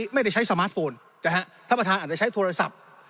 ไม่ได้ใช้สมาร์ทโฟนนะฮะท่านประธานอาจจะใช้โทรศัพท์